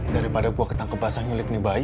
dari pada gue ketangkep basah ngelip nih bayi